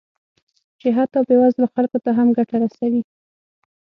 چې حتی بې وزلو خلکو ته هم ګټه رسوي